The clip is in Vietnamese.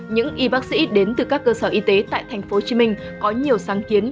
những y bác sĩ đến từ các cơ sở y tế tại tp hcm có nhiều sáng kiến